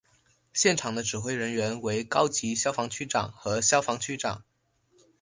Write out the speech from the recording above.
现场的指挥人员为高级消防区长和消防区长。